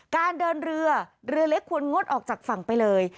การเดินเรือเรือเล็กควรงดออกจากฝั่งไปเลย